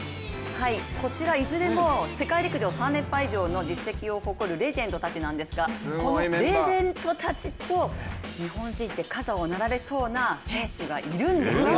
こちら、いずれも世界陸上３連覇以上の実績を誇るレジェンドたちなんですけれども、このレジェンドたちと日本人で肩を並べそうな選手がいるんですよ。